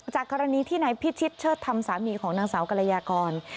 จากกรณีที่ในพิชิตเชิดทำสามีของนางสาวกรยากร